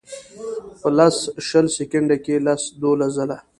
پۀ لس شل سیکنډه کښې لس دولس ځله